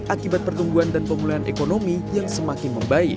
akibat pertumbuhan dan pemulihan ekonomi yang semakin membaik